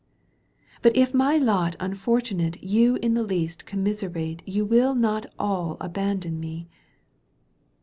But if my lot unfortunate You in the least commiserate Tou will not all abandon me.